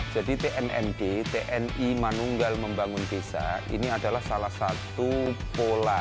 jadi tnmd tni manunggal membangun desa ini adalah salah satu pola